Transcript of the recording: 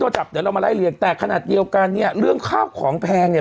จับเดี๋ยวเรามาไล่เรียงแต่ขนาดเดียวกันเนี่ยเรื่องข้าวของแพงเนี่ย